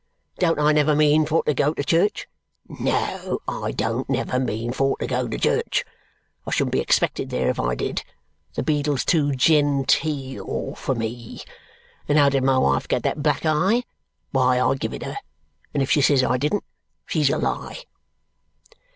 Don't I never mean for to go to church? No, I don't never mean for to go to church. I shouldn't be expected there, if I did; the beadle's too gen teel for me. And how did my wife get that black eye? Why, I give it her; and if she says I didn't, she's a lie!"